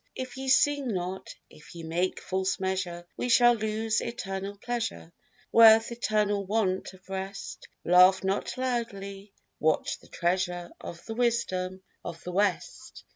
If ye sing not, if ye make false measure, We shall lose eternal pleasure, Worth eternal want of rest. Laugh not loudly: watch the treasure Of the wisdom of the West.